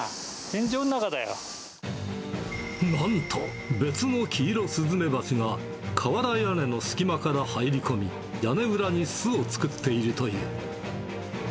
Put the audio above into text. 天井の中だなんと別のキイロスズメバチが瓦屋根の隙間から入り込み、屋根裏に巣を作っているという。